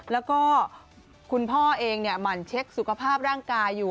แล้วก็คุณพ่อเองหมั่นเช็คสุขภาพร่างกายอยู่